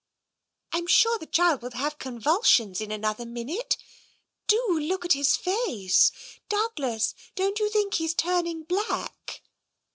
" I'm sure the child will have convulsions in an other minute. Do look at his face! Douglas, don't you think he's turning black?